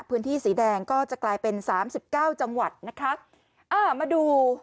พื้นที่สีแดงก็จะกลายเป็นสามสิบเก้าจังหวัดนะคะอ่ามาดู